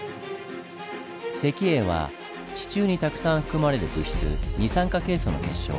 石英は地中にたくさん含まれる物質「二酸化ケイ素」の結晶。